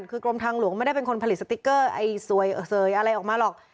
คือกรมทางหลวงไม่ได้เป็นคนผลิตสติ๊กเกอร์ไอ้สวยอะไรออกมาหรอก